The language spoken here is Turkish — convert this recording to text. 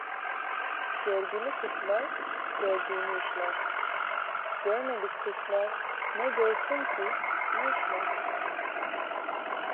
Görgülü kuşlar gördüğünü işler, görmedik kuşlar ne görsün ki ne işler?